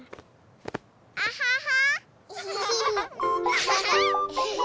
アハハ！